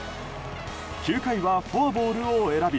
９回はフォアボールを選び